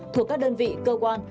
thuộc các đơn vị cơ quan